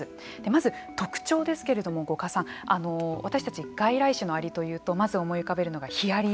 まず、特徴ですけれども五箇さん、私たち外来種のアリというとまず思い浮かべるのがヒアリ